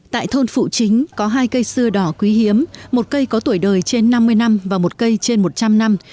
tại thôn phụ chính có hai cây xưa đỏ quý hiếm một cây có tuổi đời trên năm mươi năm và một cây trên một trăm linh năm